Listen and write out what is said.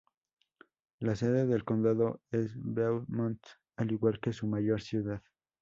La sede del condado es Beaumont, al igual que su mayor ciudad.